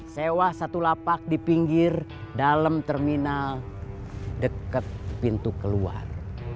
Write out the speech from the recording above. sewa satu lapak di pinggir dalam terminal dekat pintu keluar